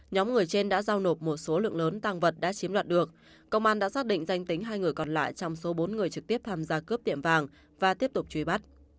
nhóm người trên đã giao nộp một số lượng lớn tăng vật đã chiếm đoạt được công an đã xác định danh tính hai người còn lại trong số bốn người trực tiếp tham gia cướp tiệm vàng và tiếp tục truy bắt